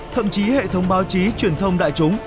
thậm chí hệ thống báo chí truyền thông đại chúng